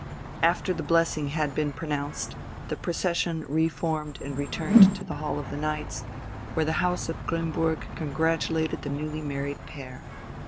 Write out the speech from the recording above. After the blessing had been pronounced, the procession re formed and returned to the Hall of the Knights, where the House of Grimmburg congratulated the newly married pair.